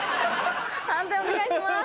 判定お願いします。